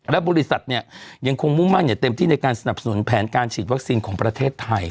และบริษัทเนี่ยยังคงมุ่งมั่นอย่างเต็มที่ในการสนับสนุนแผนการฉีดวัคซีนของประเทศไทย